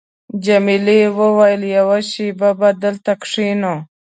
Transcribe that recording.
جميلې وويل:، یوه شېبه به دلته کښېنو.